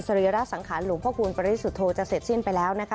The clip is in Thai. รีระสังขารหลวงพระคูณปริสุทธโธจะเสร็จสิ้นไปแล้วนะคะ